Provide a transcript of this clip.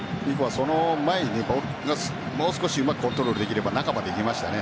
その前にボールがもう少しうまくコントロールできれば中までいけましたね。